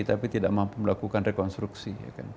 tapi tidak mampu melakukan rekonstruksi